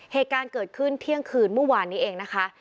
เหตุการณ์เกิดขึ้นเที่ยงคืนเมื่อวานนี้เองนะคะ